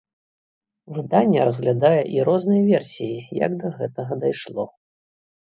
Выданне разглядае і розныя версіі, як да гэтага дайшло.